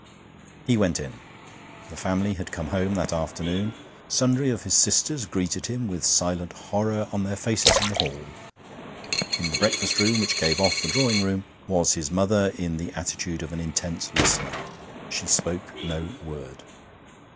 He went in. The family had come home that afternoon. Sundry of his sisters greeted him with silent horror on their faces in the hall. In the breakfast room, which gave off the drawing room, was his mother in the attitude of an intent listener. She spoke no word.